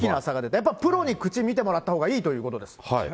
やっぱプロに口を見てもらった方がいいということです。